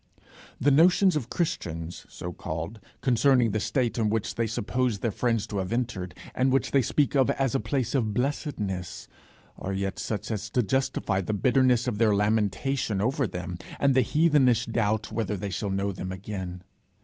The notions of Christians, so called, concerning the state into which they suppose their friends to have entered, and which they speak of as a place of blessedness, are yet such as to justify the bitterness of their lamentation over them, and the heathenish doubt whether they shall know them again.